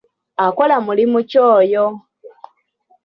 Akola mulimu ki oyo?